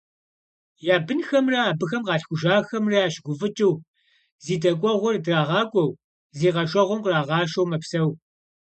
Я бынхэмрэ абыхэм къалъхужахэмрэ ящыгуфӀыкӀыу, зи дэкӀуэгъуэр дагъакӀуэу, зи къэшэгъуэм кърагъашэу мэпсэу.